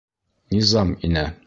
Низам инә.